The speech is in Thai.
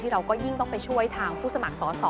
เราก็ยิ่งต้องไปช่วยทางผู้สมัครสอสอ